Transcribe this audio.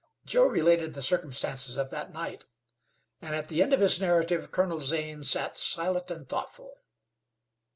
Joe related the circumstances of that night, and at the end of his narrative Colonel Zane sat silent and thoughtful.